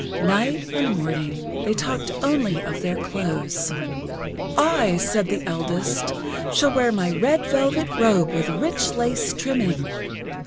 Night and morning, they talked only of their clothes. "I," said the eldest, "shall wear my red velvet robe with rich lace trimming."